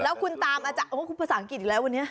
แล้วคุณตามอาจารย์ภาษาอังกฤษอีกแล้ววันนี้